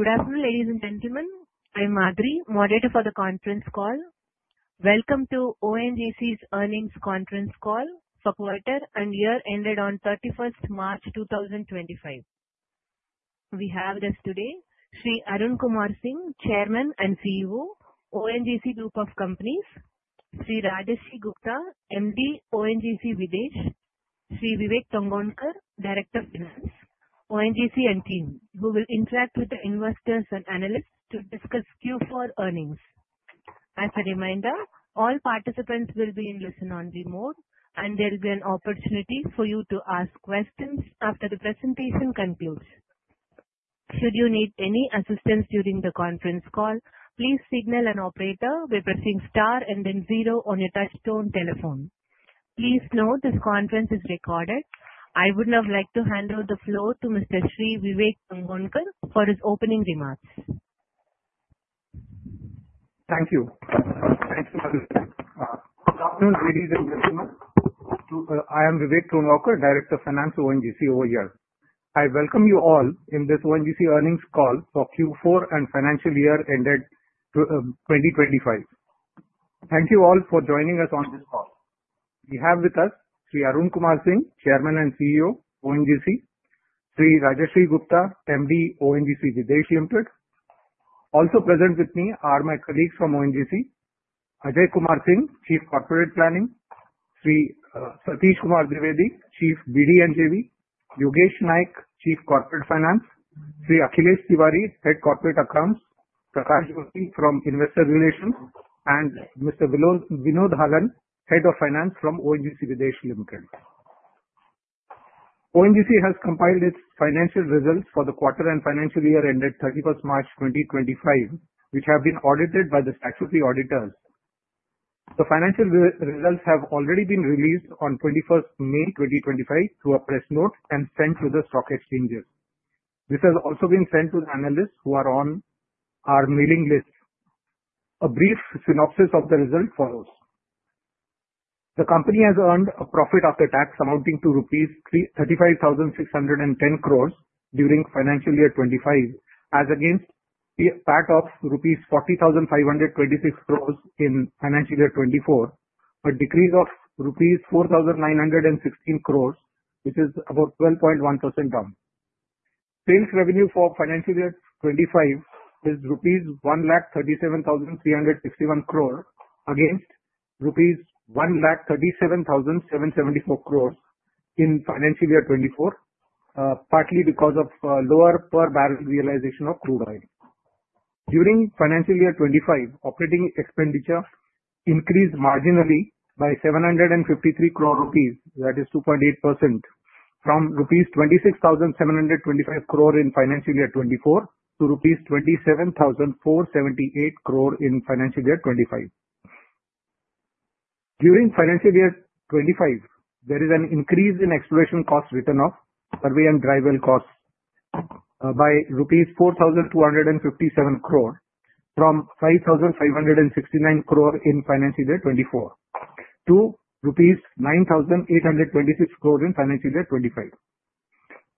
Good afternoon, ladies and gentlemen. I'm Adri, moderator for the conference call. Welcome to ONGC's earnings conference call for quarter and year ended on 31 March 2025. We have with us today: Sri Arun Kumar Singh, Chairman and CEO, ONGC Group of Companies; Sri Rajarshi Gupta, MD, ONGC Videsh; Sri Vivek Tongaonkar, Director of Finance, ONGC and team, who will interact with the investors and analysts to discuss Q4 earnings. As a reminder, all participants will be in listen-only remote, and there will be an opportunity for you to ask questions after the presentation concludes. Should you need any assistance during the conference call, please signal an operator by pressing star and then zero on your touchstone telephone. Please note this conference is recorded. I would now like to hand over the floor to Mr. Sri Vivek Tongaonkar for his opening remarks. Thank you. Thanks for the goodness. Good afternoon, ladies and gentlemen. I am Vivek Tongaonkar, Director of Finance, ONGC over here. I welcome you all in this ONGC earnings call for Q4 and financial year ended 2025. Thank you all for joining us on this call. We have with us Sri Arun Kumar Singh, Chairman and CEO, ONGC; Sri Rajarshi Gupta, MD, ONGC Videsh Limited. Also present with me are my colleagues from ONGC: Ajay Kumar Singh, Chief Corporate Planning; Sri Satish Kumar Dwivedi, Chief BD and JV; Yogesh Naik, Chief Corporate Finance; Sri Akhilesh Tiwari, Head Corporate Accounts; Prakash Joshi from Investor Relations; and Mr. Vinod Hallan, Head of Finance from ONGC Videsh Limited. ONGC has compiled its financial results for the quarter and financial year ended 31st March 2025, which have been audited by the statutory auditors. The financial results have already been released on 21st May 2025 through a press note and sent to the stock exchanges. This has also been sent to the analysts who are on our mailing list. A brief synopsis of the result follows. The company has earned a profit after tax amounting to rupees 35,610 crore during financial year 2025, as against a PAT of rupees 40,526 crore in financial year 2024, a decrease of rupees 4,916 crore, which is about 12.1% down. Sales revenue for financial year 2025 is rupees 137,361 crore against rupees 137,774 crore in financial year 2024, partly because of lower per barrel realization of crude oil. During financial year 2025, operating expenditure increased marginally by 753 crore rupees, that is 2.8%, from rupees 26,725 crore in financial year 2024 to rupees 27,478 crore in financial year 2025. During financial year 2025, there is an increase in exploration cost return of survey and dry well costs by rupees 4,257 crore from 5,569 crore in financial year 2024 to rupees 9,826 crore in financial year 2025.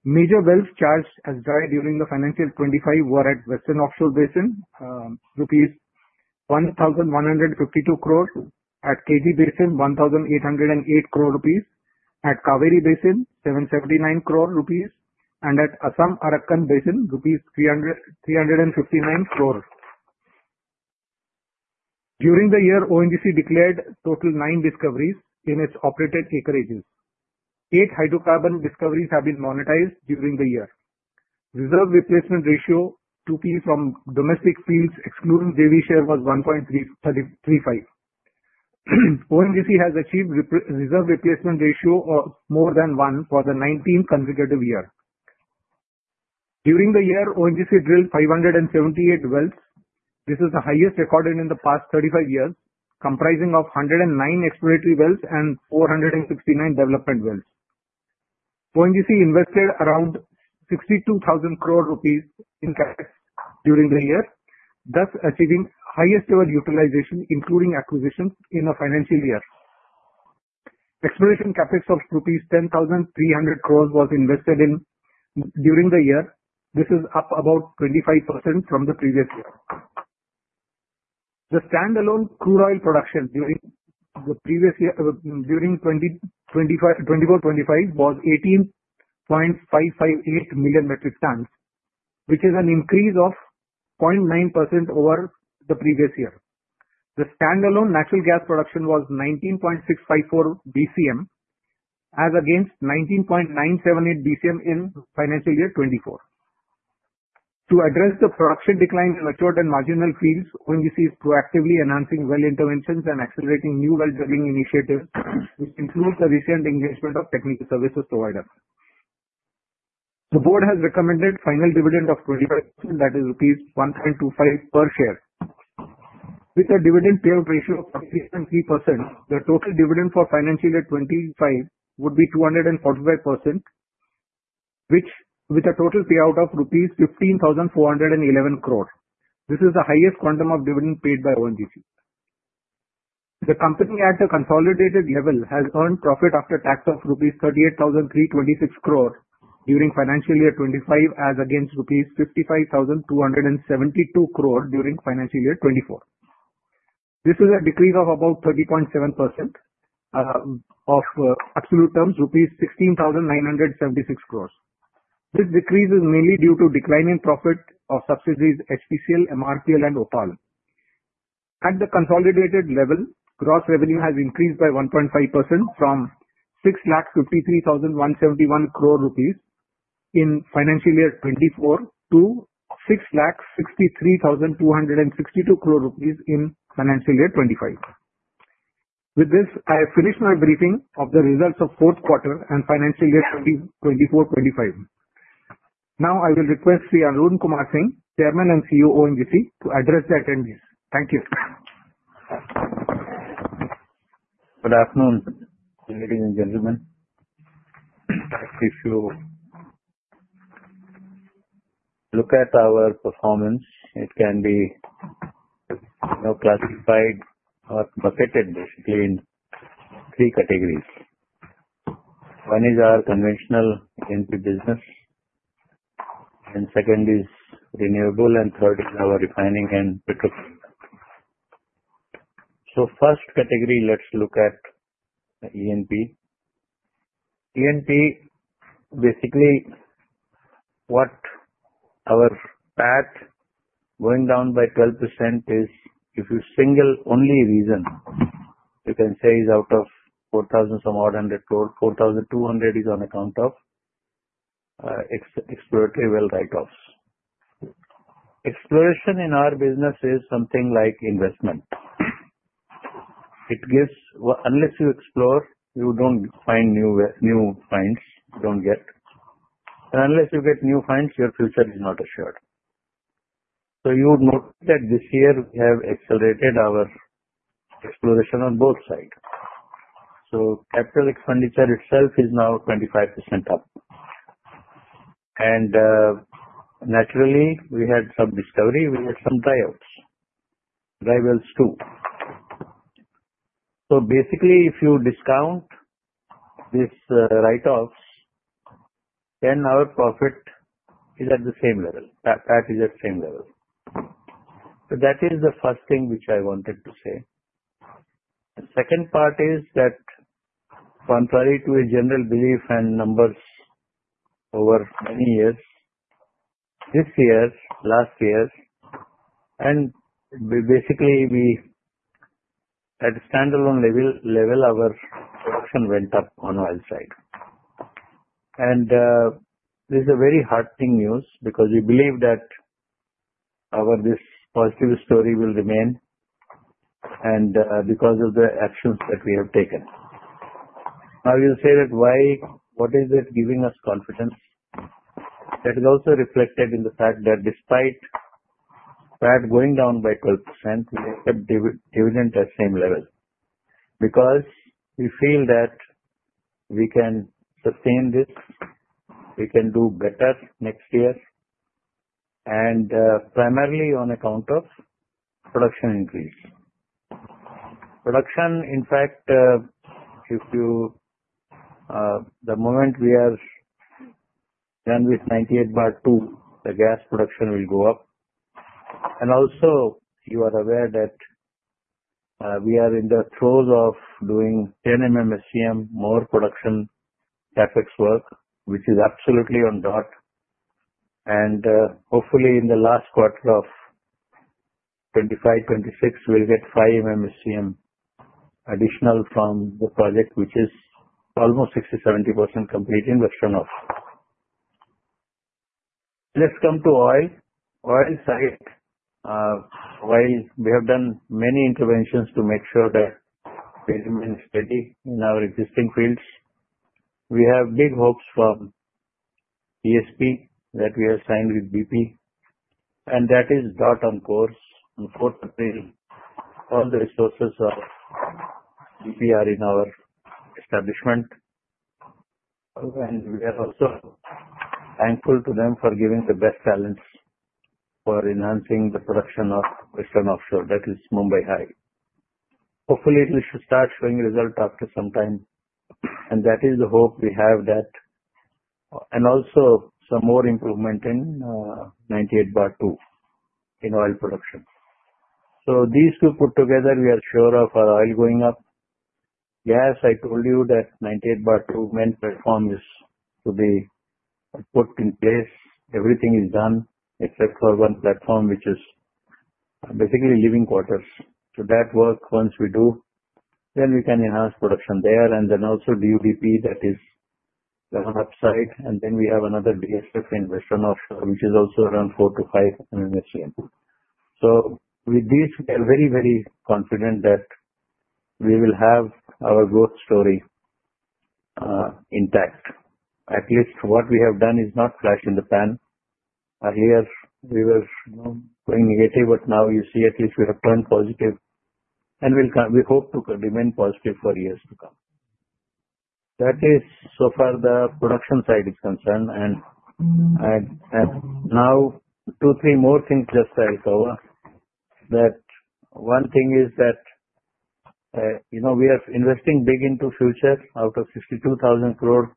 Major wells charged as dry during the financial year 2025 were at Western Offshore Basin: rupees 1,152 crore; at KG Basin, 1,808 crore rupees; at Cauvery Basin, 779 crore rupees; and at Assam Arakan Basin, rupees 359 crore. During the year, ONGC declared a total of nine discoveries in its operated acreages. Eight hydrocarbon discoveries have been monetized during the year. Reserve replacement ratio from domestic fields excluding JV share was 1.35. ONGC has achieved reserve replacement ratio of more than one for the 19th consecutive year. During the year, ONGC drilled 578 wells. This is the highest recorded in the past 35 years, comprising 109 exploratory wells and 469 development wells. ONGC invested around 62,000 crore rupees in capital during the year, thus achieving highest-ever utilization, including acquisitions, in a financial year. Exploration capital of rupees 10,300 crore was invested during the year. This is up about 25% from the previous year. The standalone crude oil production during 2024-2025 was 18.558 million metric tons, which is an increase of 0.9% over the previous year. The standalone natural gas production was 19.654 BCM, as against 19.978 BCM in financial year 2024. To address the production decline in mature and marginal fields, ONGC is proactively enhancing well interventions and accelerating new well drilling initiatives, which includes the recent engagement of technical services providers. The board has recommended a final dividend of 25%, that is, rupees 1.25 per share. With a dividend payout ratio of 47.3%, the total dividend for financial year 2025 would be 245%, which with a total payout of rupees 15,411 crores. This is the highest quantum of dividend paid by ONGC. The company at a consolidated level has earned profit after tax of rupees 38,326 crores during financial year 2025, as against rupees 55,272 crores during financial year 2024. This is a decrease of about 30.7% in absolute terms, rupees 16,976 crores. This decrease is mainly due to declining profit of subsidiaries, HPCL, MRPL, and OPaL. At the consolidated level, gross revenue has increased by 1.5% from 653,171 crores rupees in financial year 2024 to 663,262 crores rupees in financial year 2025. With this, I have finished my briefing of the results of fourth quarter and financial year 2024-2025. Now, I will request Sri Arun Kumar Singh, Chairman and CEO, ONGC, to address the attendees. Thank you. Good afternoon, ladies and gentlemen. If you look at our performance, it can be classified or bucketed basically in three categories. One is our conventional E&P business, and second is renewable, and third is our refining and petrochemical. First category, let's look at E&P. E&P, basically what our PAT going down by 12% is if you single only reason, you can say is out of 4,000 some odd hundred crores, 4,200 is on account of exploratory well write-offs. Exploration in our business is something like investment. Unless you explore, you don't find new finds you don't get. Unless you get new finds, your future is not assured. You would note that this year we have accelerated our exploration on both sides. Capital expenditure itself is now 25% up. Naturally, we had some discovery; we had some dry outs, dry wells too. Basically, if you discount these write-offs, then our profit is at the same level. That is at the same level. That is the first thing which I wanted to say. The second part is that contrary to a general belief and numbers over many years, this year, last year, and basically we at a standalone level, our production went up on oil side. This is very heartening news because we believe that this positive story will remain because of the actions that we have taken. Now you say that why what is it giving us confidence? That is also reflected in the fact that despite that going down by 12%, we kept dividend at the same level because we feel that we can sustain this. We can do better next year, and primarily on account of production increase. Production, in fact, if you the moment we are done with 98/2, the gas production will go up. Also, you are aware that we are in the throes of doing 10 SCM more production efforts work, which is absolutely on dot. Hopefully, in the last quarter of 2025-2026, we will get 5 SCM additional from the project, which is almost 60%-70% complete investment off. Let's come to oil. Oil side, while we have done many interventions to make sure that we remain steady in our existing fields, we have big hopes from ESP that we are signed with BP, and that is dot on course. On 4 April, all the resources of BP are in our establishment, and we are also thankful to them for giving the best talents for enhancing the production of Western Offshore. That is Mumbai High. Hopefully, it will start showing results after some time, and that is the hope we have that and also some more improvement in 98/2 in oil production. These two put together, we are sure of our oil going up. Yes, I told you that 98/2 main platform is to be put in place. Everything is done except for one platform, which is basically living quarters. That work, once we do, then we can enhance production there, and then also DUDP, that is the upside, and then we have another DSF in Western Offshore, which is also around 4-5 SCM. With these, we are very, very confident that we will have our growth story intact. At least what we have done is not flash in the pan. Earlier, we were going negative, but now you see at least we have turned positive, and we hope to remain positive for years to come. That is so far the production side is concerned, and I have now two, three more things just to recover. That one thing is that we are investing big into future. Out of 62,000 crore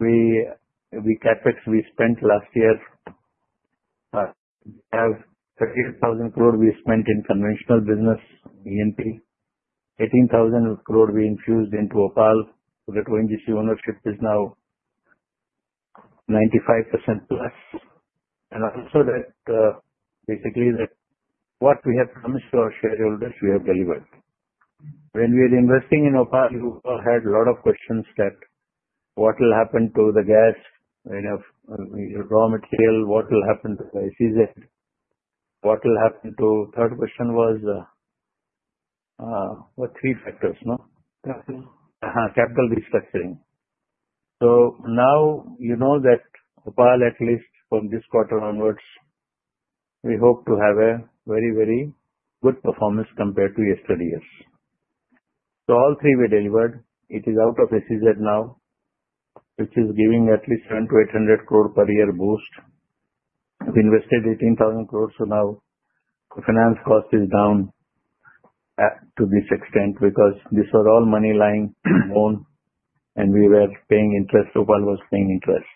CapEx we spent last year, we have 38,000 crore we spent in conventional business, E&P. 18,000 crore we infused into OPaL. That ONGC ownership is now 95% plus. And also that basically that what we have promised to our shareholders, we have delivered. When we are investing in OPaL, you all had a lot of questions that what will happen to the gas, raw material, what will happen to the SEZ, what will happen to third question was what three factors, no? Capital. Capital restructuring. Now you know that OPaL, at least from this quarter onwards, we hope to have a very, very good performance compared to yesterday's. All three were delivered. It is out of SEZ now, which is giving at least 700-800 crore per year boost. We invested 18,000 crore, so now the finance cost is down to this extent because this was all money lying on, and we were paying interest. OPaL was paying interest.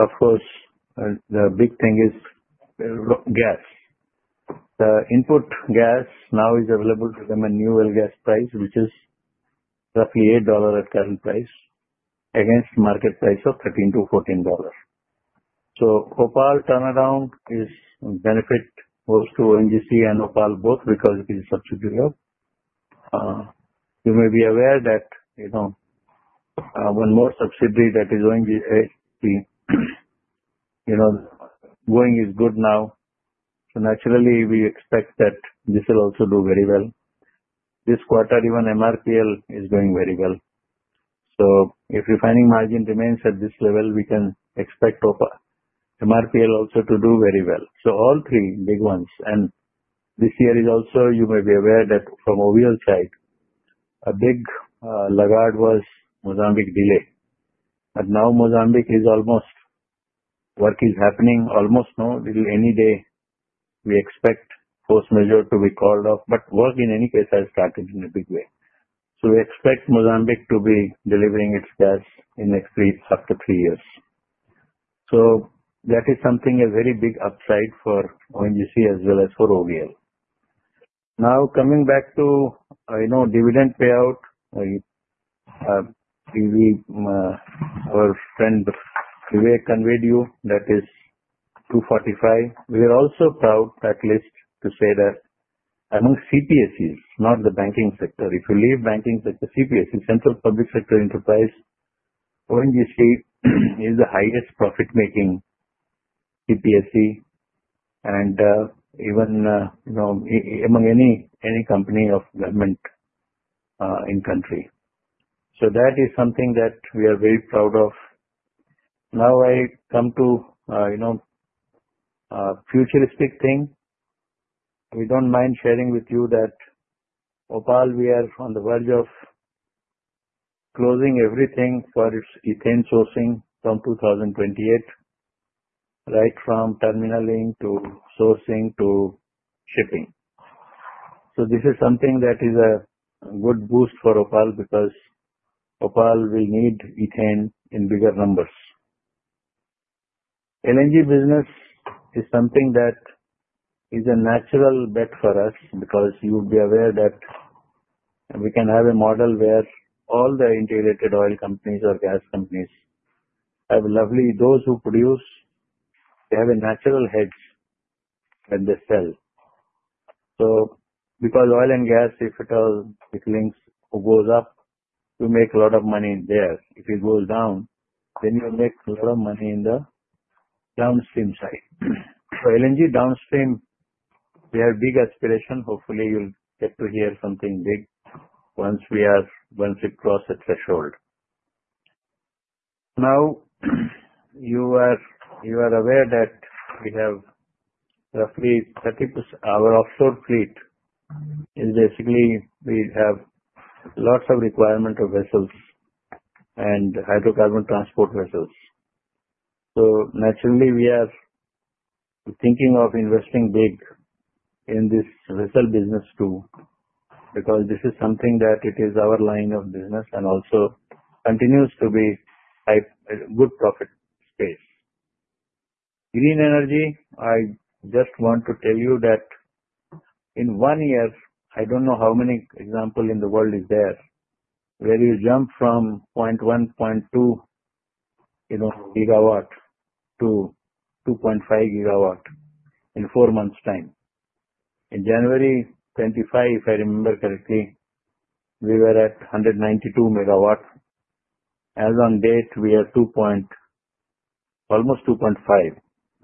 Of course, the big thing is gas. The input gas now is available to them at new well gas price, which is roughly $8 at current price against market price of $13-$14. OPaL turnaround is benefit both to ONGC and OPaL both because it is subsidiary. You may be aware that one more subsidiary that is going is good now. Naturally, we expect that this will also do very well. This quarter, even MRPL is going very well. If refining margin remains at this level, we can expect MRPL also to do very well. All three big ones. This year is also, you may be aware that from OVL side, a big laggard was Mozambique delay. Now Mozambique is almost, work is happening almost, any day we expect force majeure to be called off, but work in any case has started in a big way. We expect Mozambique to be delivering its gas in next weeks after three years. That is something, a very big upside for ONGC as well as for OVL. Now coming back to dividend payout, our friend Vivek conveyed you that is 245. We are also proud at least to say that among CPSEs, not the banking sector, if you leave banking sector, CPSE, Central Public Sector Enterprise, ONGC is the highest profit-making CPSE, and even among any company of government in country. That is something that we are very proud of. Now I come to a futuristic thing. We do not mind sharing with you that OPaL, we are on the verge of closing everything for its ethane sourcing from 2028, right from terminaling to sourcing to shipping. This is something that is a good boost for OPaL because OPaL will need ethane in bigger numbers. LNG business is something that is a natural bet for us because you would be aware that we can have a model where all the integrated oil companies or gas companies have, those who produce, they have a natural hedge when they sell. Because oil and gas, if it all it links, it goes up, you make a lot of money there. If it goes down, then you make a lot of money in the downstream side. LNG downstream, we have big aspiration. Hopefully, you'll get to hear something big once we are once we cross the threshold. Now you are aware that we have roughly 30% our offshore fleet is basically we have lots of requirement of vessels and hydrocarbon transport vessels. Naturally, we are thinking of investing big in this vessel business too because this is something that it is our line of business and also continues to be a good profit space. Green energy, I just want to tell you that in one year, I do not know how many examples in the world is there where you jump from 0.1, 0.2 GW-2.5 GW in four months' time. In January 2025, if I remember correctly, we were at 192 MW. As on date, we are almost 2.5.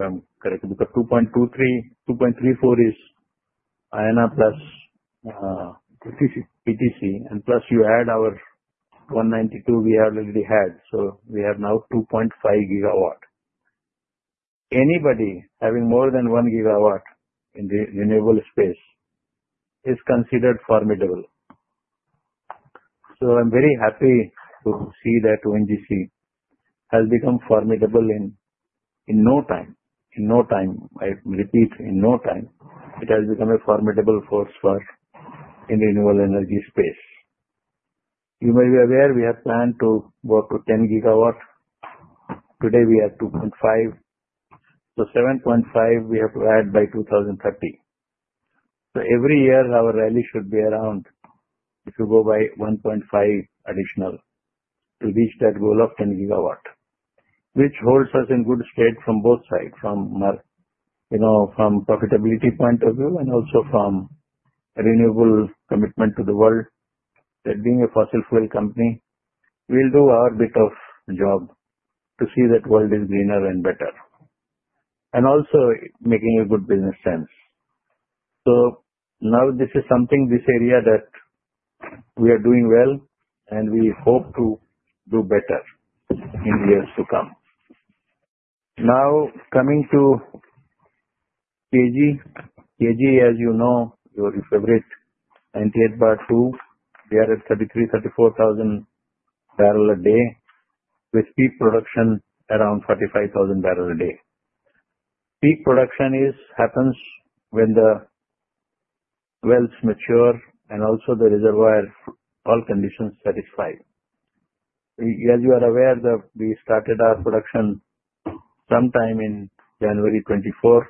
I am correcting because 2.23, 2.34 is INA plus PTC, and plus you add our 192 we have already had. So we have now 2.5 GW. Anybody having more than 1 GW in the renewable space is considered formidable. I am very happy to see that ONGC has become formidable in no time. In no time, I repeat, in no time, it has become a formidable force for in renewable energy space. You may be aware we have planned to go up to 10 GW. Today, we have 2.5. 7.5 we have to add by 2030. Every year, our rally should be around, if you go by, 1.5 additional to reach that goal of 10 GW, which holds us in good state from both sides, from profitability point of view and also from renewable commitment to the world that being a fossil fuel company, we'll do our bit of job to see that world is greener and better and also making a good business sense. This is something, this area that we are doing well, and we hope to do better in years to come. Now coming to KG, KG, as you know, your favorite, 98/2, we are at 33,000-34,000 barrels a day with peak production around 45,000 barrels a day. Peak production happens when the wells mature and also the reservoir, all conditions satisfy. As you are aware, we started our production sometime in January 2024,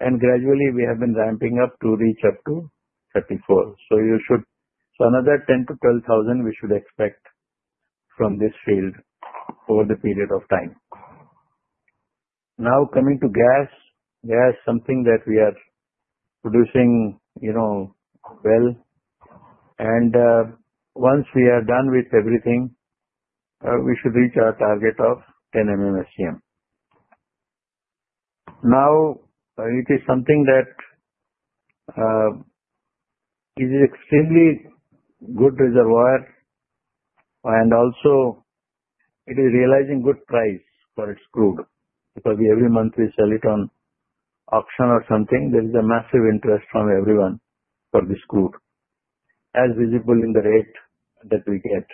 and gradually we have been ramping up to reach up to 34. You should see another 10,000-12,000 we should expect from this field over the period of time. Now coming to gas, gas is something that we are producing well, and once we are done with everything, we should reach our target of 10 SCM. Now it is something that is extremely good reservoir, and also it is realizing good price for its crude because every month we sell it on auction or something. There is a massive interest from everyone for this crude, as visible in the rate that we get,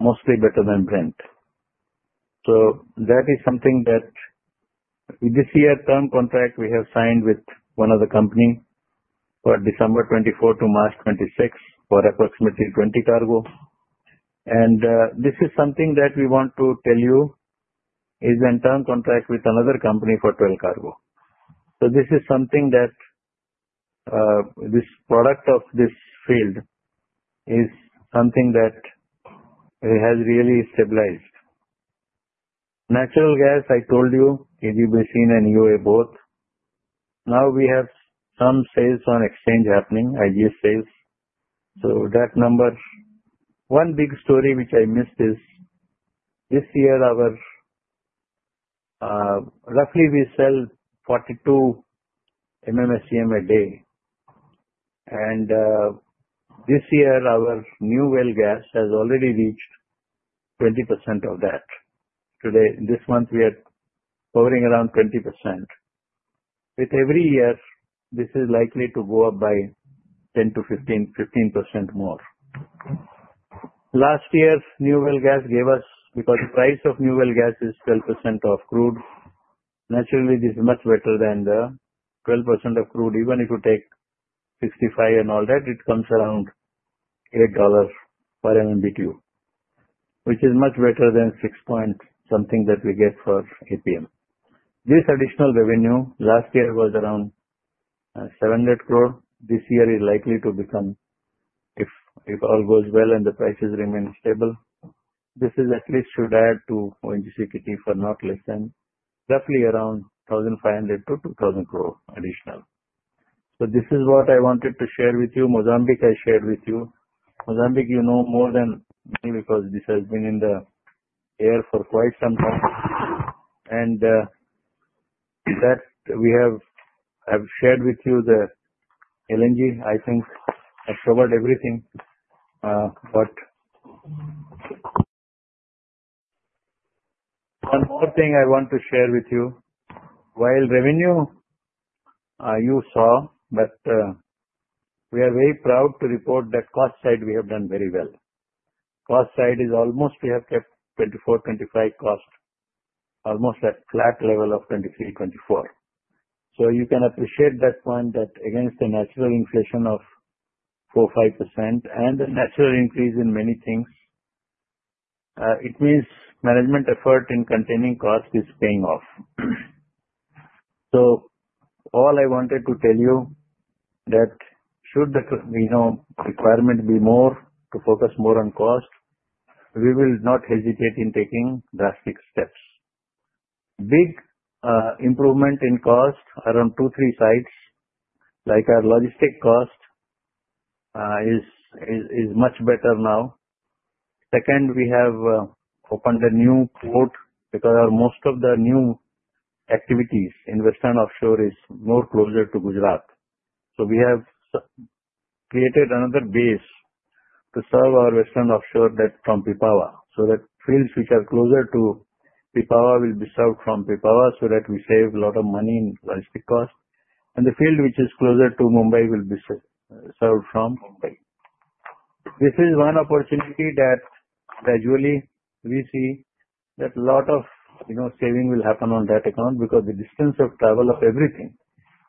mostly better than Brent. That is something that this year term contract we have signed with one other company for December 2024 to March 2026 for approximately 20 cargo. This is something that we want to tell you is in term contract with another company for 12 cargo. This product of this field is something that has really stabilized. Natural gas, I told you, KG Basin and EOA both. Now we have some sales on exchange happening, IGS sales. That number, one big story which I missed is this year we roughly sell 42 SCM a day, and this year our new well gas has already reached 20% of that. Today, this month we are hovering around 20%. With every year, this is likely to go up by 10-15% more. Last year, new well gas gave us because the price of new well gas is 12% of crude. Naturally, this is much better than the 12% of crude. Even if you take 65 and all that, it comes around $8 per MMBTU, which is much better than 6 point something that we get for APM. This additional revenue last year was around 700 crore. This year is likely to become, if all goes well and the prices remain stable, this at least should add to ONGC kitty for not less than roughly around 1,500-2,000 crore additional. This is what I wanted to share with you. Mozambique, I shared with you. Mozambique, you know more than me because this has been in the air for quite some time. We have shared with you the LNG, I think I covered everything. One more thing I want to share with you. While revenue you saw, we are very proud to report that cost side we have done very well. Cost side is almost we have kept 2024-2025 cost almost at flat level of 2023-2024. You can appreciate that point that against the natural inflation of 4-5% and the natural increase in many things, it means management effort in containing cost is paying off. All I wanted to tell you is that should the requirement be more to focus more on cost, we will not hesitate in taking drastic steps. Big improvement in cost around two, three sides, like our logistic cost is much better now. Second, we have opened a new port because most of the new activities in Western Offshore is more closer to Gujarat. We have created another base to serve our Western Offshore, that from Pipavav. Fields which are closer to Pipavav will be served from Pipavav so that we save a lot of money in logistic cost. The field which is closer to Mumbai will be served from Mumbai. This is one opportunity that gradually we see that a lot of saving will happen on that account because of the distance of travel of everything.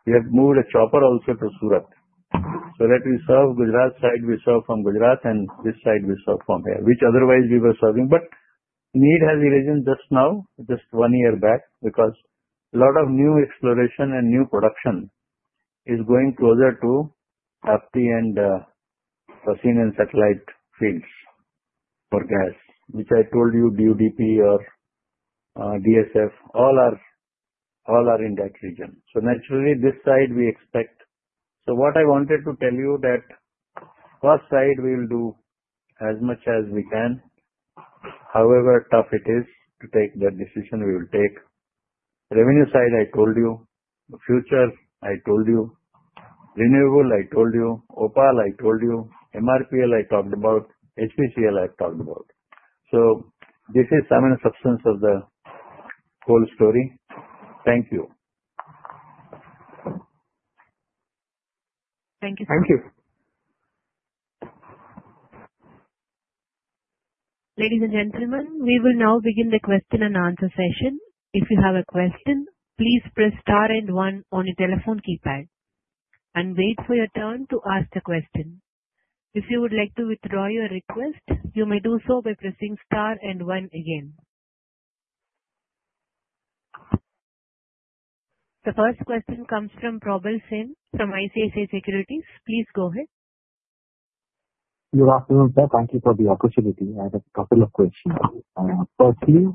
We have moved a chopper also to Surat so that we serve Gujarat side, we serve from Gujarat, and this side we serve from here, which otherwise we were serving. Need has arisen just now, just one year back, because a lot of new exploration and new production is going closer to API and Fassine and satellite fields for gas, which I told you DUDP or DSF, all are in that region. Naturally, this side we expect. What I wanted to tell you is that first side we will do as much as we can. However tough it is to take that decision, we will take. Revenue side, I told you. Future, I told you. Renewable, I told you. OPaL, I told you. MRPL, I talked about. HPCL, I have talked about. This is some of the substance of the whole story. Thank you. Thank you. Thank you. Ladies and gentlemen, we will now begin the question and answer session. If you have a question, please press star and one on your telephone keypad and wait for your turn to ask a question. If you would like to withdraw your request, you may do so by pressing star and one again. The first question comes from Prabal Singh from ICSA Securities. Please go ahead. Good afternoon, sir. Thank you for the opportunity. I have a couple of questions. Firstly,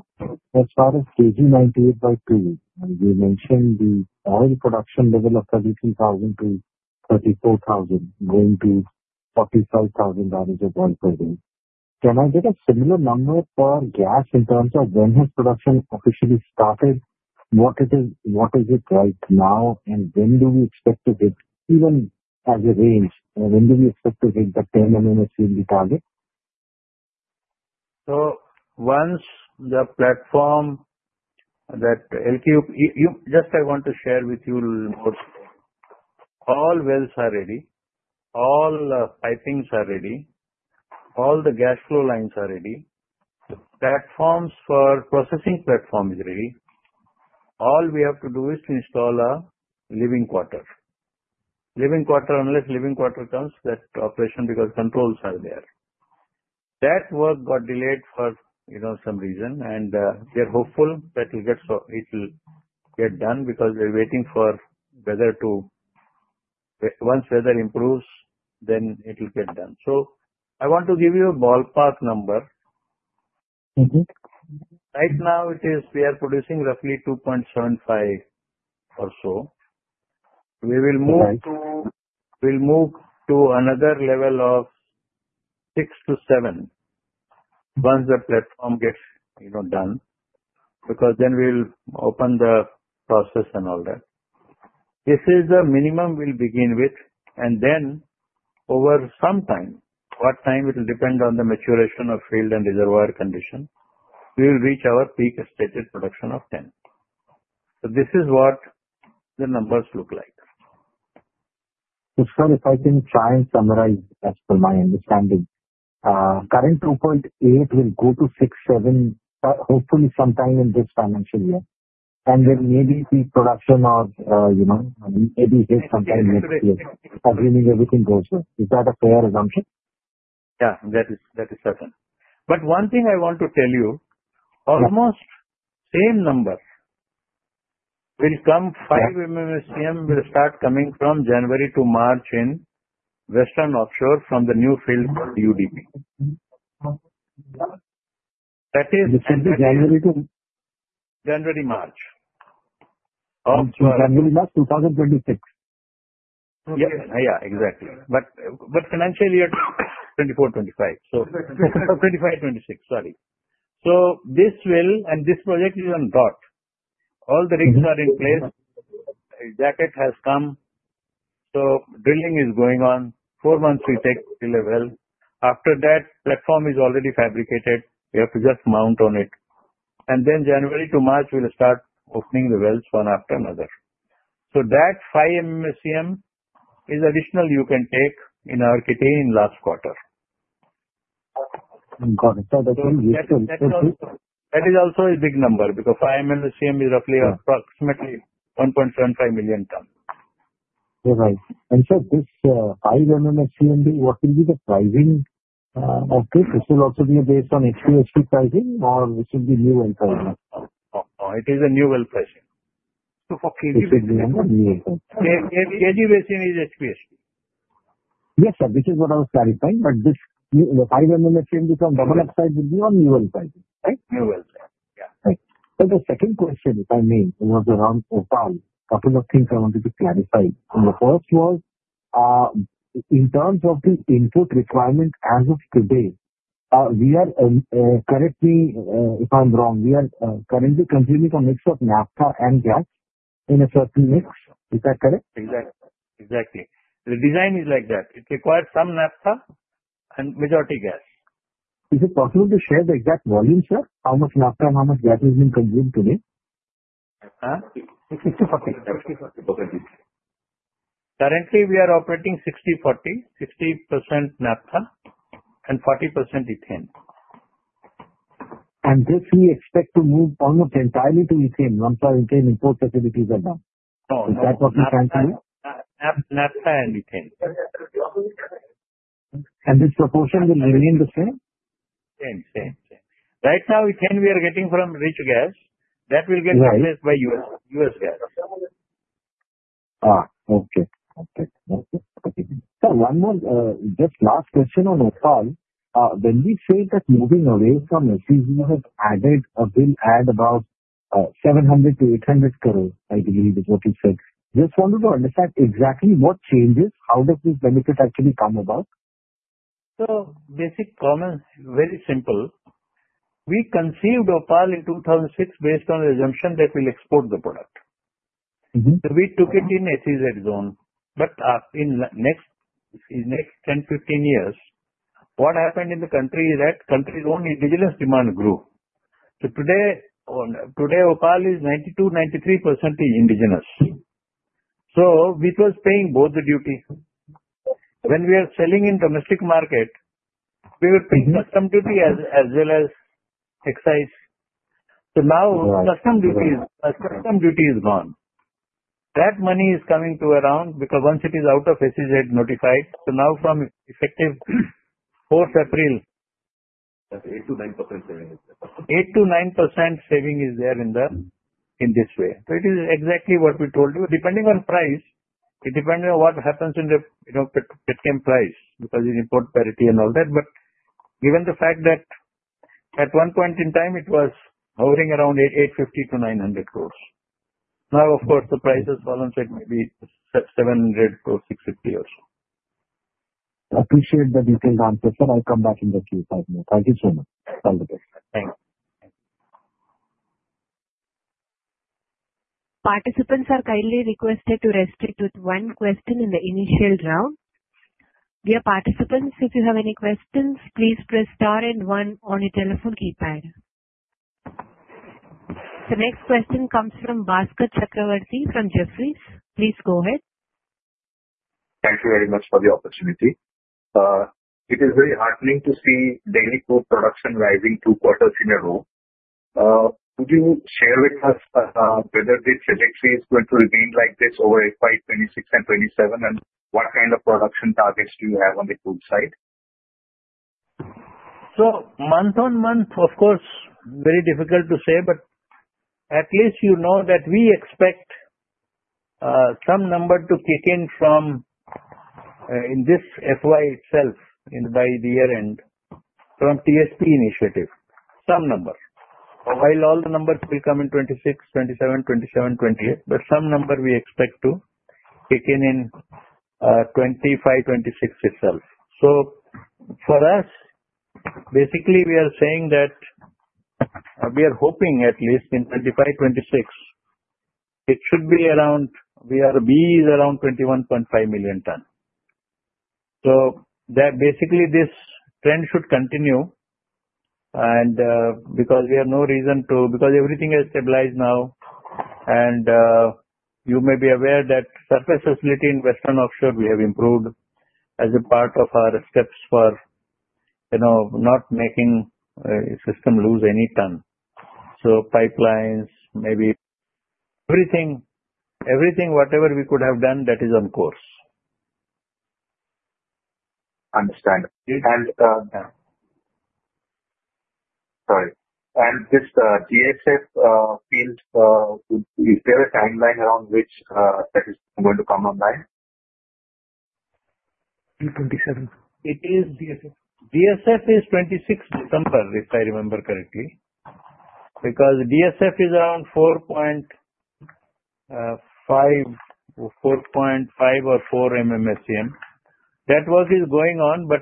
as far as KG 98/2, you mentioned the oil production level of 33,000-34,000 going to 45,000 of oil per day. Can I get a similar number for gas in terms of when has production officially started, what is it right now, and when do we expect to hit, even as a range, when do we expect to hit the 10 SCM target? Once the platform that just I want to share with you, all wells are ready, all pipings are ready, all the gas flow lines are ready, the platforms for processing platform is ready, all we have to do is to install a living quarter. Living quarter, unless living quarter comes, that operation because controls are there. That work got delayed for some reason, and we are hopeful that it will get done because we're waiting for weather to, once weather improves, then it will get done. I want to give you a ballpark number. Right now, we are producing roughly 2.75 or so. We will move to another level of 6-7 once the platform gets done because then we'll open the process and all that. This is the minimum we'll begin with, and then over some time, what time it will depend on the maturation of field and reservoir condition, we will reach our peak stated production of 10. This is what the numbers look like. So sir, if I can try and summarize as per my understanding, current 2.8 will go to 6-7, hopefully sometime in this financial year, and then maybe peak production of maybe hit sometime next year. Assuming everything goes well. Is that a fair assumption? Yeah, that is certain. But one thing I want to tell you, almost same number will come 5 SCM will start coming from January to March in Western Offshore from the new field for UDP. That is January to January March. January March 2026. Yeah, exactly. But financial year 2024-2025. 2025-2026, sorry. This will, and this project is on dot. All the rigs are in place. Exactly it has come. Drilling is going on. Four months we take till a well. After that, platform is already fabricated. We have to just mount on it. January to March will start opening the wells one after another. That 5 SCM is additional you can take in our kitty in last quarter. Got it. That is also a big number because 5 SCM is roughly approximately 1.75 million ton. Sir, this 5 SCM, what will be the pricing of this? This will also be based on HPSD pricing or this will be new well pricing? It is a new well pricing. For KG Basin, KG Basin is HPSD. Yes, sir. This is what I was clarifying. But this 5 SCM becomes double upside will be on new well pricing, right? New well pricing, yeah. The second question, if I may, was around OPaL. A couple of things I wanted to clarify. The first was in terms of the input requirement as of today, correct me if I'm wrong. We are currently consuming a mix of naphtha and gas in a certain mix. Is that correct? Exactly. The design is like that. It requires some naphtha and majority gas. Is it possible to share the exact volume, sir? How much naphtha and how much gas has been consumed today? 60, 40. Currently, we are operating 60, 40, 60% naphtha and 40% ethane. This we expect to move almost entirely to ethane once our ethane import facilities are done. Is that what you plan to do? Naphta and ethane. And this proportion will remain the same? Same, same, same. Right now, ethane we are getting from rich gas. That will get replaced by US gas. Okay. Okay. Okay. So one more just last question on OPaL. When we say that moving away from FCG has added a bill add about 700-800 crore, I believe is what you said. Just wanted to understand exactly what changes. How does this benefit actually come about So basic common, very simple. We conceived OPaL in 2006 based on the assumption that we'll export the product. So we took it in SEZ zone. But in the next 10-15 years, what happened in the country is that country's own indigenous demand grew. So today, OPaL is 92-93% indigenous. So which was paying both the duty. When we are selling in domestic market, we were paying custom duty as well as excise. Now custom duty is gone. That money is coming to around because once it is out of SEZ notified. Now from effective April 4, 8%-9% saving is there. 8%-9% saving is there in this way. It is exactly what we told you. Depending on price, it depends on what happens in the petchem price because it is import parity and all that. Given the fact that at one point in time, it was hovering around 850 crore-900 crore. Now, of course, the price has fallen to maybe 700 crore-650 crore or so. Appreciate that you can answer, sir. I'll come back in the Q5. Thank you so much. All the best. Thank you. Participants are kindly requested to restrict with one question in the initial round. Dear participants, if you have any questions, please press star and one on your telephone keypad. The next question comes from Bhaskar Chakraborty from Jefferies. Please go ahead. Thank you very much for the opportunity. It is very heartening to see daily crude production rising two quarters in a row. Could you share with us whether the trajectory is going to remain like this over FY 2026 and 2027, and what kind of production targets do you have on the crude side? Month on month, of course, very difficult to say, but at least you know that we expect some number to kick in from in this FY itself by the year end from TSP initiative. Some number. While all the numbers will come in 2026, 2027, 2027, 2028, but some number we expect to kick in in 2025, 2026 itself. For us, basically, we are saying that we are hoping at least in 2025, 2026, it should be around, we are B is around 21.5 million ton. Basically, this trend should continue. We have no reason to, because everything has stabilized now. You may be aware that surface facility in Western Offshore, we have improved as a part of our steps for not making the system lose any ton. Pipelines, maybe everything, whatever we could have done, that is on course. Understandable. Sorry. This DSF field, is there a timeline around which that is going to come online? 2027. It is DSF. DSF is 26 December, if I remember correctly. DSF is around 4.5 or 4 SCM. That work is going on, but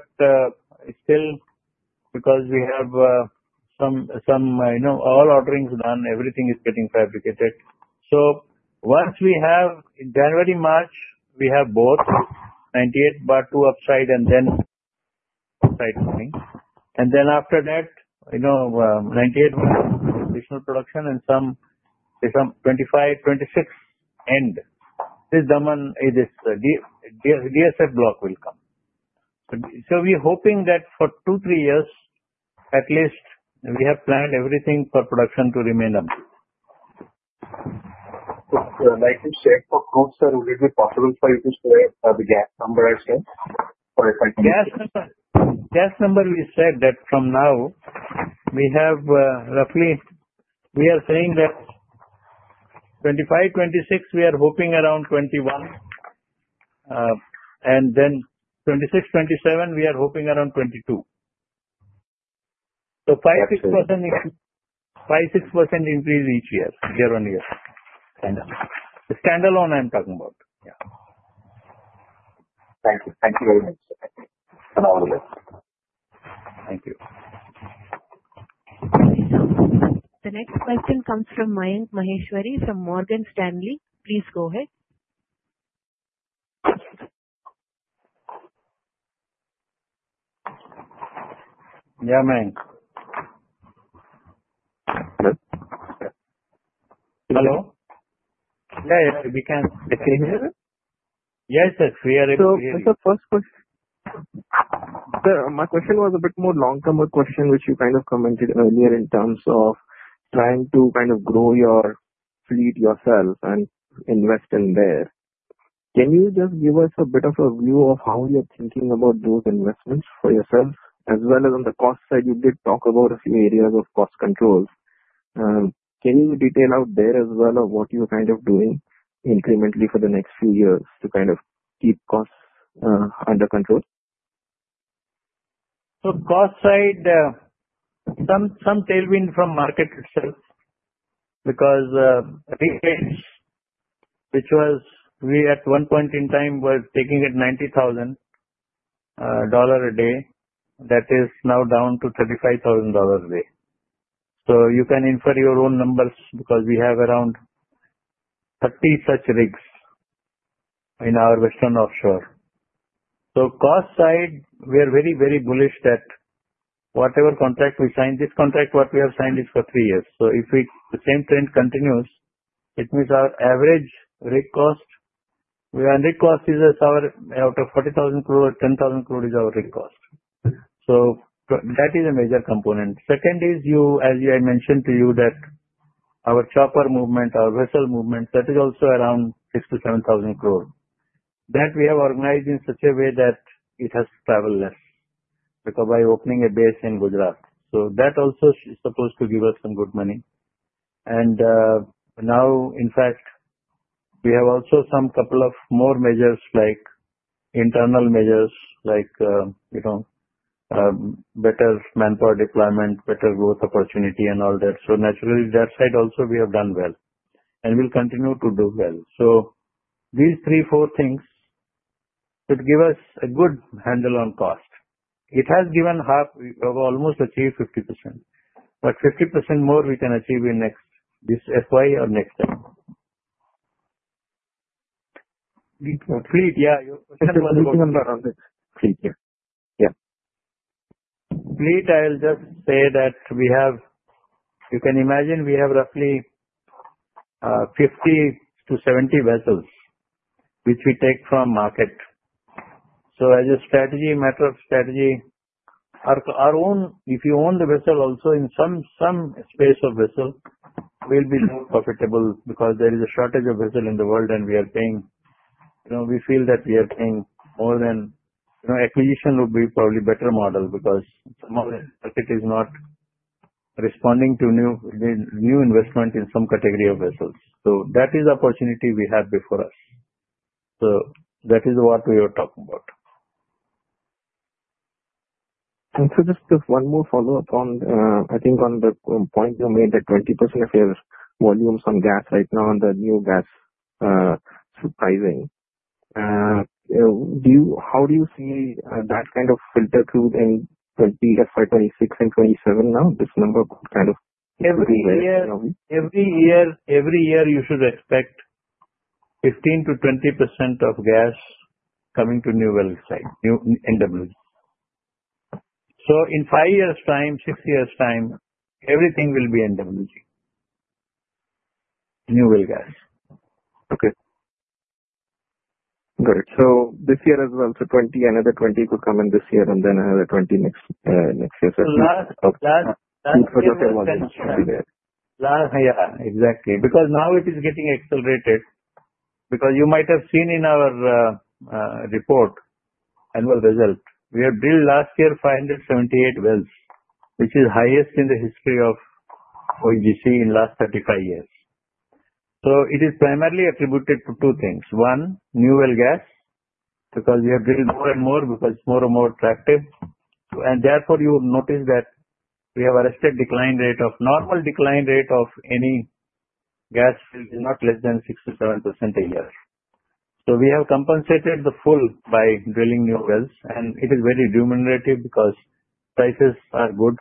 still because we have some all orderings done, everything is getting fabricated. Once we have in January-March, we have both 98 Bar 2 upside and then upside coming. After that, 98 additional production and some 2025-2026 end, this DSF block will come. We are hoping that for two-three years, at least we have planned everything for production to remain on. Like you said, for crude, sir, will it be possible for you to share the gas number as well? Or if I can share? Gas number, we said that from now, we have roughly we are saying that 2025-2026, we are hoping around 21. Then 2026-2027, we are hoping around 22. So 5%-6% increase each year, year on year. Standalone. Standalone, I'm talking about. Yeah. Thank you. Thank you very much. Thank you. The next question comes from Mayank Maheshwari from Morgan Stanley. Please go ahead. Yeah, Mayank. Hello? Hello? Yeah, yeah. We can still hear you. Yes, sir. We are able to hear you. So first question. Sir, my question was a bit more long-term question, which you kind of commented earlier in terms of trying to kind of grow your fleet yourself and invest in there. Can you just give us a bit of a view of how you're thinking about those investments for yourself? As well as on the cost side, you did talk about a few areas of cost controls. Can you detail out there as well of what you're kind of doing incrementally for the next few years to kind of keep costs under control? Cost side, some tailwind from market itself because we at one point in time were taking it $90,000 a day. That is now down to $35,000 a day. You can infer your own numbers because we have around 30 such rigs in our Western Offshore. Cost side, we are very, very bullish that whatever contract we signed, this contract, what we have signed is for three years. If the same trend continues, it means our average rig cost, and rig cost is our out of 40,000 crore, 10,000 crore is our rig cost. That is a major component. Second is, as I mentioned to you, our chopper movement, our vessel movement, that is also around 6,000-7,000 crore. We have organized that in such a way that it has traveled less because by opening a base in Gujarat. That also is supposed to give us some good money. In fact, we have also some couple of more measures like internal measures, like better manpower deployment, better growth opportunity, and all that. Naturally, that side also we have done well. We will continue to do well. These three, four things should give us a good handle on cost. It has given half, almost achieved 50%. But 50% more we can achieve in this FY or next time. Fleet, yeah. Fleet number on it. Fleet, yeah. Fleet, I will just say that you can imagine we have roughly 50-70 vessels, which we take from market. As a matter of strategy, our own, if you own the vessel also in some space of vessel, will be more profitable because there is a shortage of vessel in the world and we are paying, we feel that we are paying more than acquisition would be. Probably better model because some of the market is not responding to new investment in some category of vessels. That is the opportunity we have before us. That is what we are talking about. Just one more follow-up on, I think on the point you made that 20% of your volumes on gas right now on the new gas pricing. How do you see that kind of filter through in FY 2026 and 2027 now? This number kind of every year, Every year you should expect 15%-20% of gas coming to new well side, new NWG. In five years' time, six years' time, everything will be NWG, new well gas. Okay. Got it. This year as well, another 20 could come in this year and then another 20 next year. Last, last. Yeah, exactly. Because now it is getting accelerated. You might have seen in our report, annual result, we have drilled last year 578 wells, which is highest in the history of ONGC in the last 35 years. It is primarily attributed to two things. One, new well gas, because we have drilled more and more because it is more and more attractive. Therefore, you notice that we have arrested decline rate. Normal decline rate of any gas field is not less than 6-7% a year. We have compensated the full by drilling new wells, and it is very remunerative because prices are good.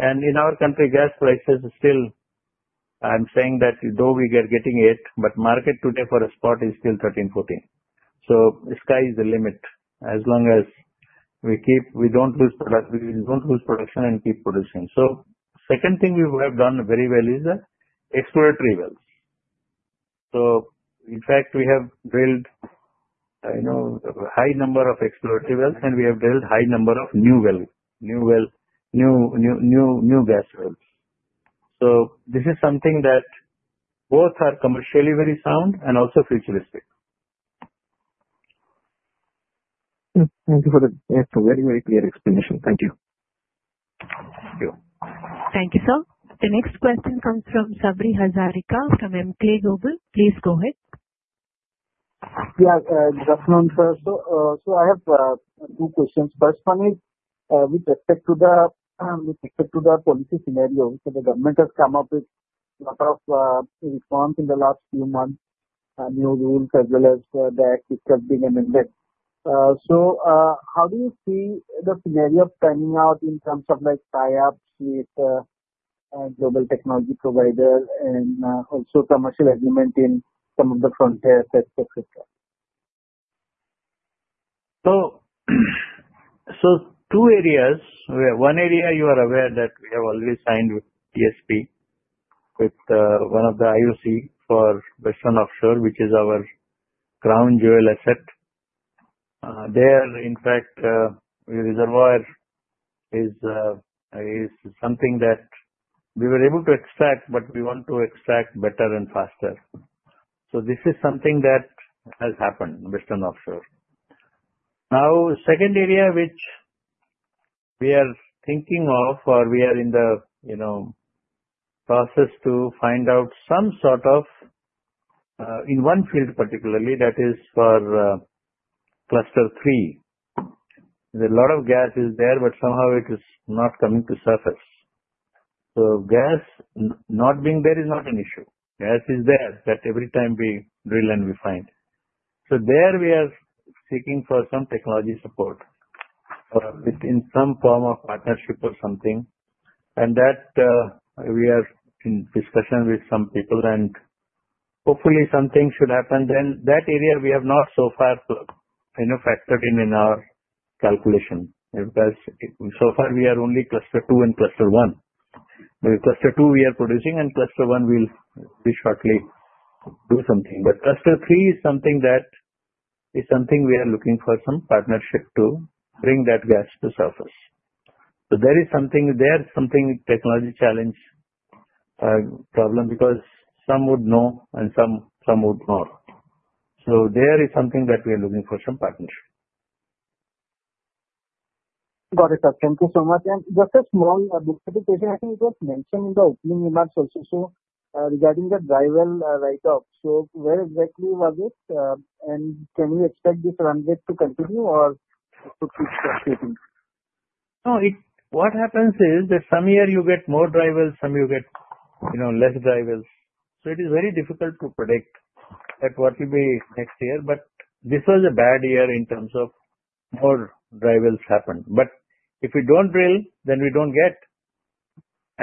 In our country, gas prices still, I'm saying that though we are getting it, but market today for a spot is still 13-14. The sky is the limit. As long as we do not lose production, we do not lose production and keep producing. Second thing we have done very well is exploratory wells. In fact, we have drilled a high number of exploratory wells, and we have drilled a high number of new wells, new gas wells. This is something that both are commercially very sound and also futuristic. Thank you for the very, very clear explanation. Thank you. Thank you, sir. The next question comes from Sabri Hazarika from Emkay Global. Please go ahead. Yeah, Jasmine sir. I have two questions. First one is with respect to the policy scenario, which the government has come up with a lot of response in the last few months, new rules as well as the act which has been amended. How do you see the scenario coming out in terms of tie-ups with global technology providers and also commercial agreement in some of the frontiers, etc.? Two areas. One area, you are aware that we have already signed with TSP, with one of the IOC for Western Offshore, which is our crown jewel asset. There, in fact, reservoir is something that we were able to extract, but we want to extract better and faster. This is something that has happened in Western Offshore. Now, the second area which we are thinking of, or we are in the process to find out some sort of in one field particularly, that is for Cluster 3. There is a lot of gas there, but somehow it is not coming to surface. Gas not being there is not an issue. Gas is there every time we drill and we find. There we are seeking some technology support in some form of partnership or something. We are in discussion with some people, and hopefully something should happen. That area we have not so far factored in our calculation. Because so far we are only Cluster 2 and Cluster 1. Cluster 2, we are producing, and Cluster 1 will be shortly do something. Cluster 3 is something that is something we are looking for some partnership to bring that gas to surface. There is something there, something technology challenge problem because some would know and some would not. There is something that we are looking for some partnership. Got it, sir. Thank you so much. Just a small observation, I think you just mentioned in the opening remarks also regarding the dry well write-up. Where exactly was it? Can you expect this run rate to continue or to keep escalating? No, what happens is that some year you get more dry wells, some you get less dry wells. It is very difficult to predict at what will be next year. This was a bad year in terms of more dry wells happened. If we do not drill, then we do not get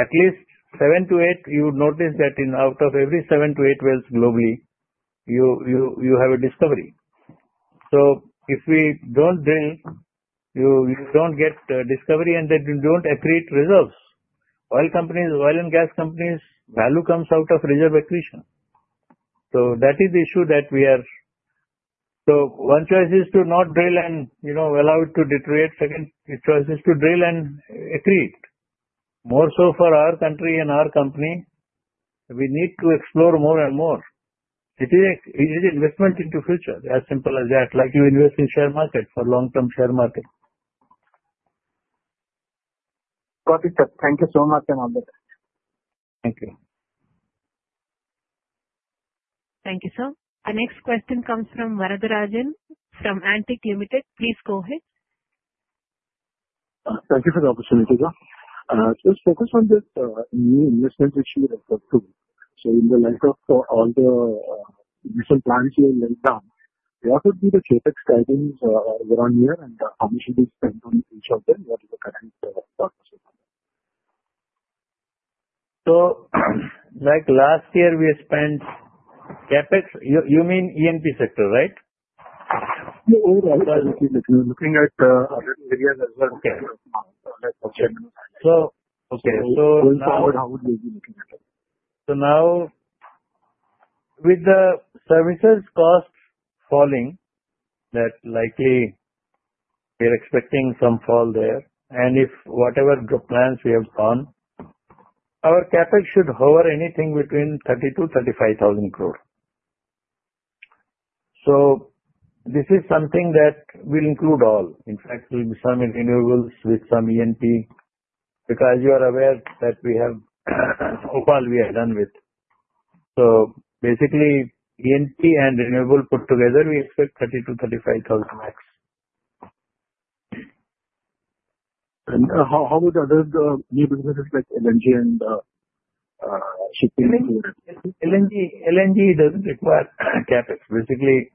at least seven to eight. You would notice that out of every seven to eight wells globally, you have a discovery. If we do not drill, you do not get discovery, and then you do not accrete reserves. Oil companies, oil and gas companies, value comes out of reserve accretion. That is the issue that we are. One choice is to not drill and allow it to deteriorate. Second choice is to drill and accrete. More so for our country and our company, we need to explore more and more. It is an investment into the future, as simple as that. Like you invest in share market for long-term share market. Got it, sir. Thank you so much, Ananda. Thank you. Thank you, sir. The next question comes from Varatharajan from Antique Limited. Please go ahead. Thank you for the opportunity, sir. So focus on the new investment which you referred to. In the light of all the recent plans you laid down, what would be the CapEx guidance around here and how much should be spent on each of them? What is the current thought? Like last year, we spent CapEx, you mean E&P sector, right? No, overall. Looking at other areas as well. Okay. Now how would you be looking at it? Now with the services cost falling, that likely we are expecting some fall there. If whatever plans we have done, our CapEx should hover anything between 30,000-35,000 crore. This is something that will include all. In fact, there will be some renewables with some E&P because you are aware that we have overall we are done with. Basically, E&P and renewable put together, we expect 30,000-35,000 max. How would other new businesses like LNG and shipping? LNG does not require CapEx. Basically,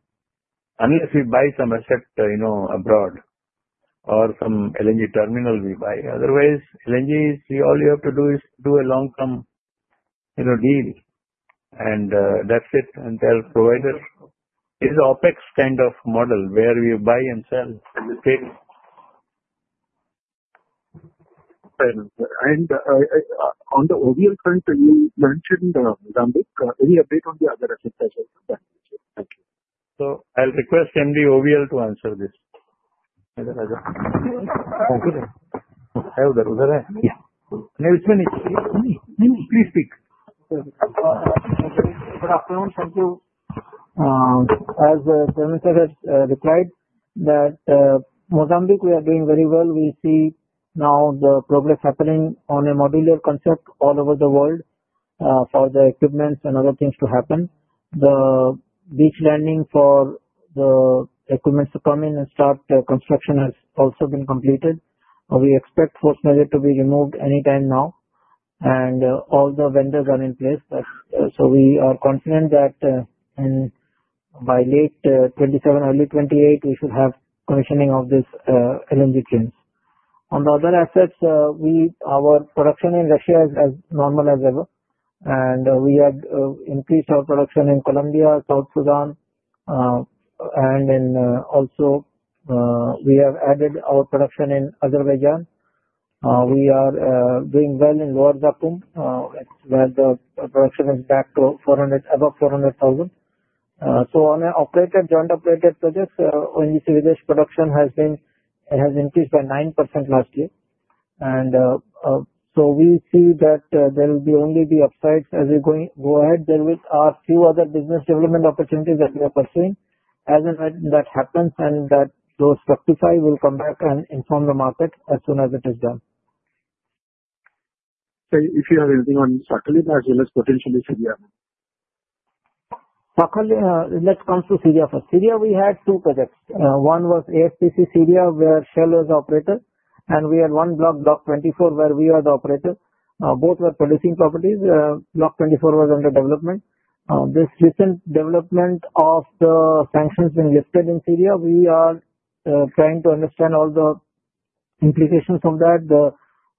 unless we buy some asset abroad or some LNG terminal we buy. Otherwise, LNG is all you have to do is do a long-term deal and that is it. There are providers. It is an OpEx kind of model where we buy and sell. On the OVL front, you mentioned Mozambique. Any update on the other assets? Thank you. I will request MD OVL to answer this. I have that. No, it is me. Please speak. Good afternoon. Thank you. As Jeremy sir has replied, Mozambique, we are doing very well. We see now the progress happening on a modular concept all over the world for the equipment and other things to happen. The beach landing for the equipment to come in and start construction has also been completed. We expect post-measure to be removed anytime now. All the vendors are in place. We are confident that by late 2027, early 2028, we should have commissioning of these LNG trains. On the other assets, our production in Russia is as normal as ever. We had increased our production in Colombia, South Sudan, and also we have added our production in Azerbaijan. We are doing well in Lower Zakum, where the production is back to above 400,000. On our operated, joint operated projects, ONGC Videsh production has increased by 9% last year. We see that there will only be upsides as we go ahead. There will be a few other business development opportunities that we are pursuing. As in that happens and that those rectify, we'll come back and inform the market as soon as it is done. If you have anything on Sakhalin, as well as potentially Syria. Let's come to Syria first. Syria, we had two projects. One was AFPC Syria where Shell was the operator. We had one block, Block 24, where we were the operator. Both were producing properties. Block 24 was under development. This recent development of the sanctions being lifted in Syria, we are trying to understand all the implications of that,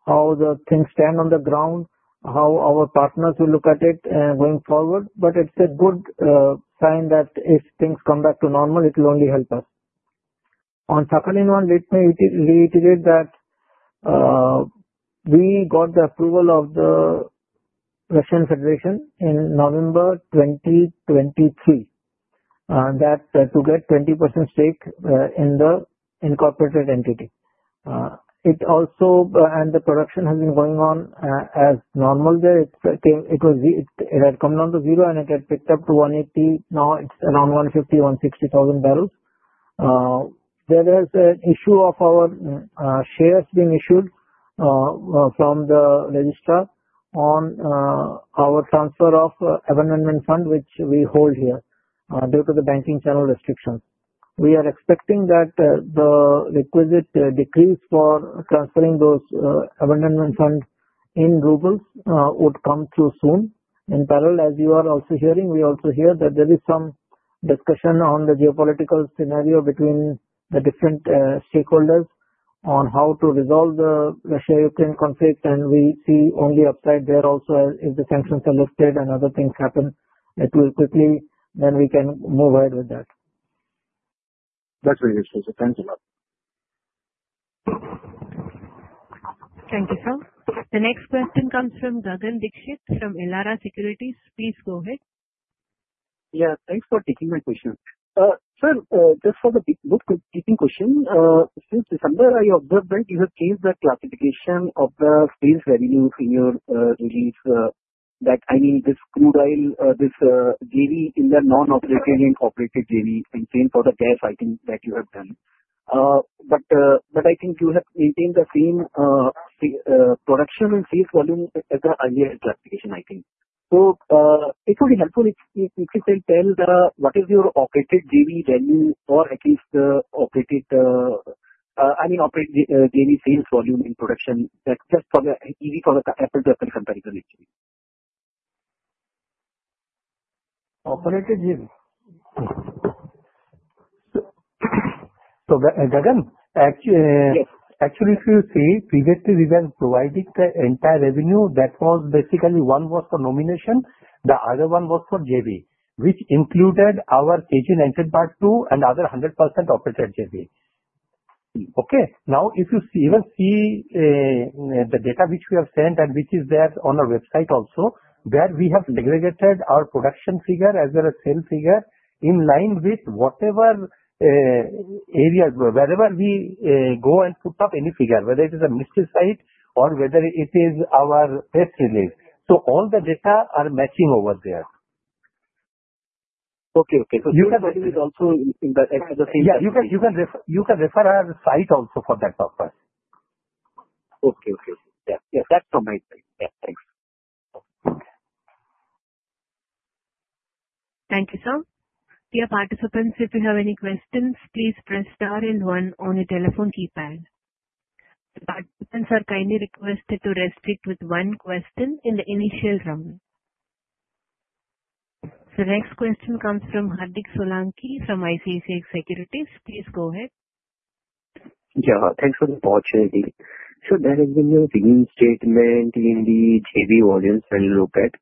how the things stand on the ground, how our partners will look at it going forward. It is a good sign that if things come back to normal, it will only help us. On Sakhalin one, let me reiterate that we got the approval of the Russian Federation in November 2023 to get 20% stake in the incorporated entity. The production has been going on as normal there. It had come down to zero and it had picked up to 180. Now it is around 150-160,000 barrels. There is an issue of our shares being issued from the registrar on our transfer of abandonment fund, which we hold here due to the banking channel restrictions. We are expecting that the requisite decrees for transferring those abandonment funds in rubles would come through soon. In parallel, as you are also hearing, we also hear that there is some discussion on the geopolitical scenario between the different stakeholders on how to resolve the Russia-Ukraine conflict. We see only upside there also if the sanctions are lifted and other things happen. It will quickly then we can move ahead with that. That's very useful. Thanks a lot. Thank you, sir. The next question comes from Gagan Dixit from Elara Securities. Please go ahead. Yeah. Thanks for taking my question. Sir, just for the deepening question, since December, I observed that you have changed the classification of the sales revenues in your release. That I mean this crude oil, this daily in the non-operated and operated daily and same for the gas, I think that you have done. But I think you have maintained the same production and sales volume as the earlier classification, I think. So it would be helpful if you could tell what is your operated daily revenue or at least the operated, I mean operated daily sales volume in production. That's just for the easy for the apples to apple comparison, actually. Operated daily. Dagan, actually if you see, previously we were providing the entire revenue that was basically one was for nomination. The other one was for JV, which included our KG90 Part 2 and other 100% operated JV. If you even see the data which we have sent and which is there on our website also, where we have segregated our production figure as well as sales figure in line with whatever area, wherever we go and put up any figure, whether it is a mystery site or whether it is our press release, all the data are matching over there. You can also link it also in the same document. You can refer our site also for that purpose. That is from my side. Thanks. Thank you, sir. Dear participants, if you have any questions, please press star and one on your telephone keypad. Participants are kindly requested to restrict with one question in the initial round. The next question comes from Hardik Solanki from ICICI Securities. Please go ahead. Yeah. Thanks for the opportunity. So there has been a reinstatement in the JV volumes when we look at.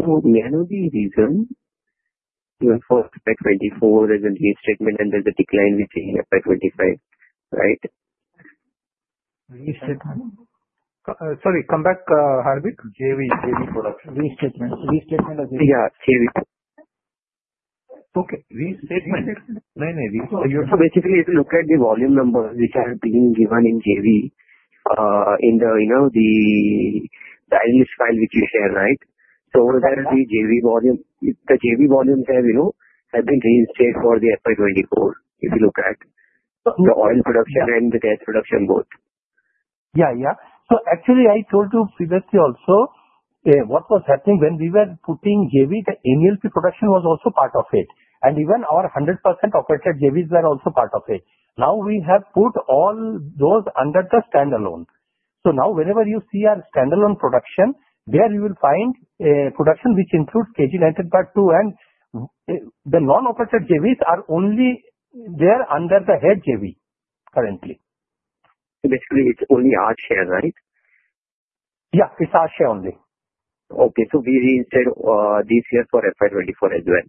So may I know the reason for FY 2024? There's a reinstatement and there's a decline within FY 2025, right? Reinstatement. Sorry. Come back, Hardik. JV production. Reinstatement. Reinstatement of JV. Yeah. JV. Okay. Reinstatement. Nay, nay. So basically, if you look at the volume numbers which are being given in JV in the English file which you share, right? So over there, the JV volumes have been reinstated for the FY 2024 if you look at the oil production and the gas production both. Yeah. Yeah. Actually, I told you previously also what was happening when we were putting JV, the NLP production was also part of it. Even our 100% operated JVs were also part of it. Now we have put all those under the standalone. Now whenever you see our standalone production, there you will find production which includes KG90 Part 2. The non-operated JVs are only there under the head JV currently. Basically, it is only our share, right? yeah. It is our share only. Okay. We reinstated this year for APEC 2024 as well.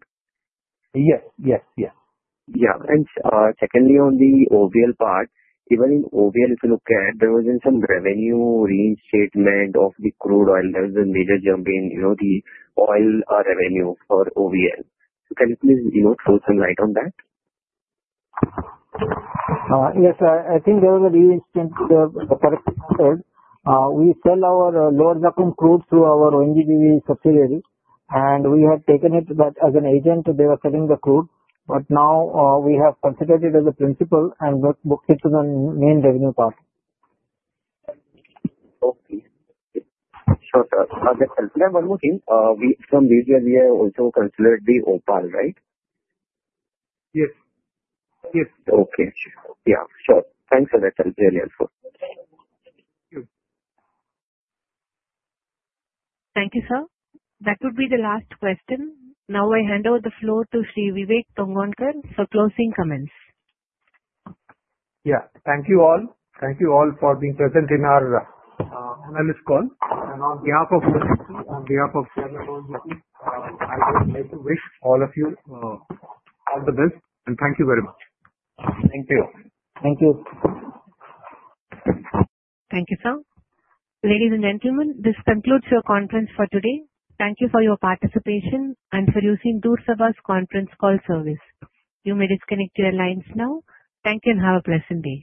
Yes. Yes. Yes. Yeah. Secondly, on the OVL part, even in OVL, if you look at it, there was some revenue reinstatement of the crude oil. There was a major jump in the oil revenue for OVL. Can you please throw some light on that? Yes. I think there was a reinstatement. We sell our Lower Zakum crude through our ONGC subsidiary. And we had taken it as an agent. They were selling the crude. But now we have considered it as a principal and booked it to the main revenue part. Okay. Sure, sir. That's helpful. One more thing. From Vidya, we have also considered the OPaL, right? Yes. Yes. Okay. Yeah. Sure. Thanks for that. That's very helpful. Thank you. Thank you, sir. That would be the last question. Now I hand over the floor to Sri Vivek Tongaonkar for closing comments. Yeah. Thank you all. Thank you all for being present in our analyst call. And on behalf of the CSC, on behalf of PM&O, I would like to wish all of you all the best. And thank you very much. Thank you. Thank you. Thank you, sir. Ladies and gentlemen, this concludes your conference for today. Thank you for your participation and for using DURSABA's conference call service. You may disconnect your lines now. Thank you and have a pleasant day.